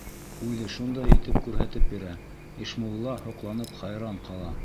Үҙе шундай итеп күрһәтеп бирә — Ишмулла, һоҡланып, хайран ҡала!